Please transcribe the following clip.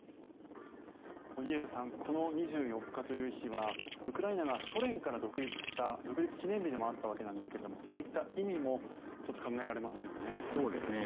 荻上さんこの２４日という日はウクライナがソ連から独立した独立記念日でもあったわけですがそういった意味もちょっと考えられますよね。